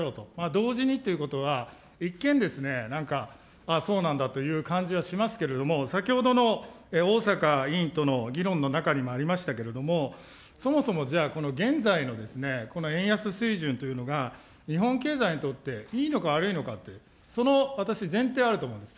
同時にということは、一見、なんか、そうなんだという感じはしますけれども、先ほどの逢坂委員との議論の中にもありましたけれども、そもそもじゃあ、現在のこの円安水準というのが、日本経済にとっていいのか悪いのかって、その私、前提あると思うんです。